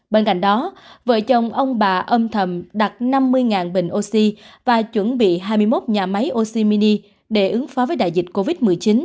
bên cạnh đó vợ chồng ông bà âm thầm đặt năm mươi bình oxy và chuẩn bị hai mươi một nhà máy oxy mini để ứng phó với đại dịch covid một mươi chín